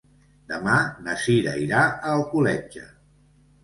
Demà na Sira irà a Alcoletge.